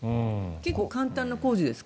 結構、簡単な工事ですか？